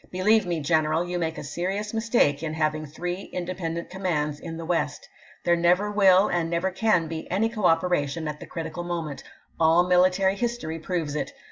Believe me, general, you make a serious mistake in having three independent commands in the West. There never will and never can be any cooperation at the critical moment ; all military history proves it.